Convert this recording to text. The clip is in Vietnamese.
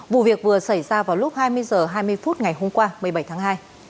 vụ việc vừa xảy ra vào lúc hai mươi h hai mươi phút ngày hôm qua một mươi bảy tháng hai